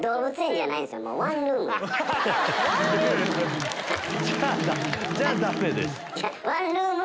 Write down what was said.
じゃあダメです。